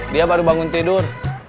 dia baru bangun tidur